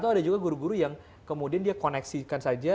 ada juga guru guru yang kemudian dia koneksikan saja